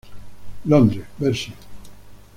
Londres: Verso.